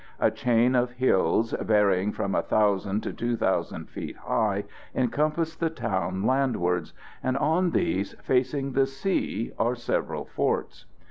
A chain of hills, varying from 1,000 to 2,000 feet high, encompass the town landwards, and on these, facing the sea, are several forts.